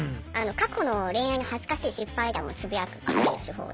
過去の恋愛の恥ずかしい失敗談をつぶやくっていう手法で。